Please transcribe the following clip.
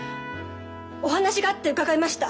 お話があって伺いました。